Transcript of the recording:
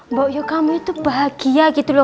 mbok yo kamu itu bahagia gitu loh